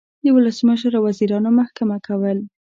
د ولسمشر او وزیرانو محکمه کول